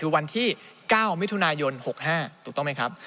คือวันที่๙มิถุนายน๖๕ถูกต้องไหมครับ